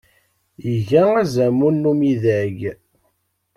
Iga azmul n umidag.